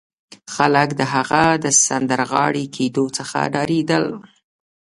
خلک د هغه د سندرغاړي کېدو څخه ډارېدل